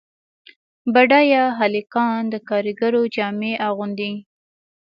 بډایه هلکان د کارګرو جامې اغوندي.